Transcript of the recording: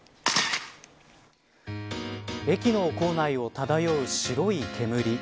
駅の構内を漂う白い煙。